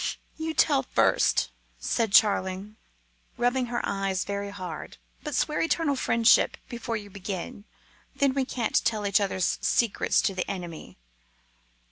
"You tell first," said Charling, rubbing her eyes very hard; "but swear eternal friendship before you begin, then we can't tell each other's secrets to the enemy."